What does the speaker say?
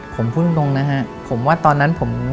ผมพูดตรงนะฮะผมว่าตอนนั้นผม